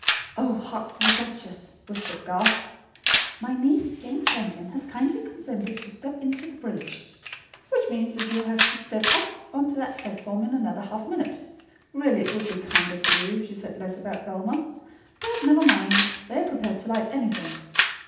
"Oh, hark to the duchess!" whispered Garth. "My NIECE, JANE CHAMPION, HAS KINDLY CONSENTED TO STEP INTO THE BREACH ' Which means that you will have to step up on to that platform in another half minute. Really it would be kinder to you if she said less about Velma. But never mind; they are prepared to like anything.